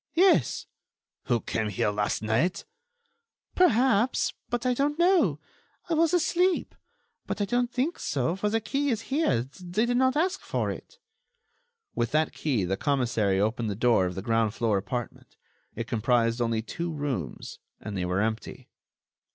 "Yes." "Who came here last night." "Perhaps ... but I don't know ... I was asleep. But I don't think so, for the key is here. They did not ask for it." With that key the commissary opened the door of the ground floor apartment. It comprised only two rooms and they were empty.